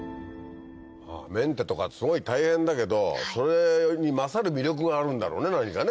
メンテとかってすごい大変だけどそれに勝る魅力があるんだろうね何かね